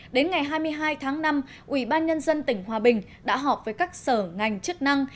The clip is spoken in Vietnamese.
đến ngày hai mươi hai tháng năm ủy ban nhân dân tỉnh hòa bình đã họp với các sở ngành chức năng